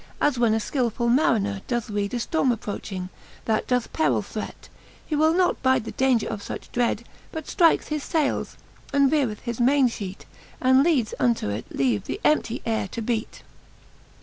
As when a {killfull mariner doth reed A ftorme approching, that doth perill threat, He will not bide the idaunger of fuch dread, But ftrikes his fayles, and vereth his mainfheat, And lends unto it leave the emptie ayre to beat : XIX.